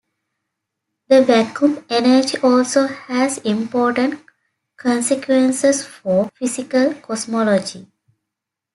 The vacuum energy also has important consequences for physical cosmology.